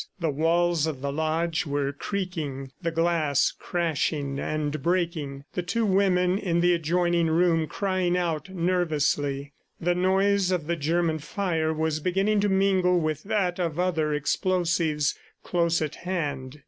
The walls of the lodge were creaking, the glass crashing and breaking, the two women in the adjoining room crying out nervously. The noise of the German fire was beginning to mingle with that of other explosives close at hand.